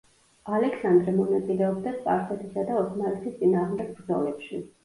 ალექსანდრე მონაწილეობდა სპარსეთისა და ოსმალეთის წინააღმდეგ ბრძოლებში.